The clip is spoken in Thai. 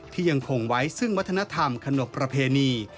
ยังคงไว้ซึ่งวัฒนธรรมขนบประเพณี